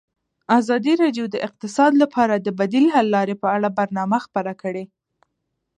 ازادي راډیو د اقتصاد لپاره د بدیل حل لارې په اړه برنامه خپاره کړې.